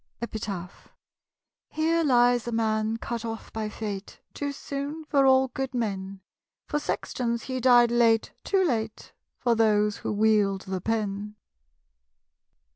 EPITAPH. Here lies a man cut off by fate Too soon for all good men; For sextons he died late too late For those who wield the pen.